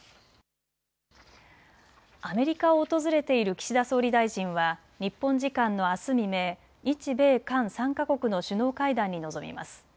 アメリカを訪れている岸田総理大臣は日本時間のあす未明、日米韓３か国の首脳会談に臨みます。